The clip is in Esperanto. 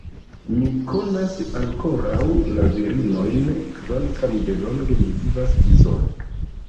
Mi konas ankoraŭ la virinojn, kvankam delonge mi vivas izole.